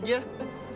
bikin orang stres aja